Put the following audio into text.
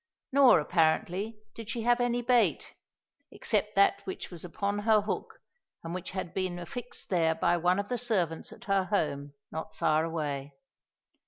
Nor, apparently, did she have any bait, except that which was upon her hook and which had been affixed there by one of the servants at her home, not far away.